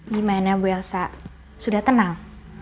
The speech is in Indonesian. gimana bu elsa sudah tenang